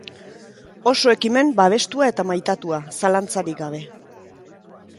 Oso ekimen babestua eta maitatua, zalantzarik gabe.